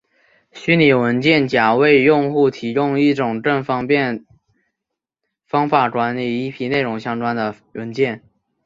虚拟文件夹为用户提供一种更方便方法管理一批内容相关的文件。